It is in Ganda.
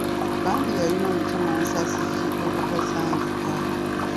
Bambi yalina omutima omusaasizi ogutasangika.